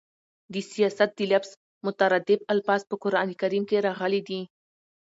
د سیاست د لفظ مترادف الفاظ په قران کريم کښي راغلي دي.